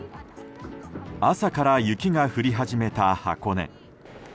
朝から雪が降り始めた箱根。